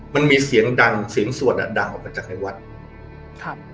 มันมีเสียงดังเสียงสวดอ่ะดังออกมาจากในวัดครับ